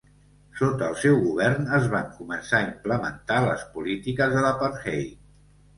Sota el seu govern es van començar a implementar les polítiques de l'apartheid.